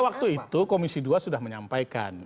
waktu itu komisi dua sudah menyampaikan